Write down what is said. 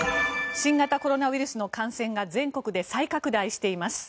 新型コロナウイルスの感染が全国で再拡大しています。